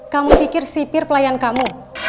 kamu pikir sipir pelayan kamu